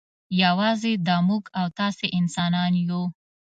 یوازې دا موږ او تاسې انسانان یو.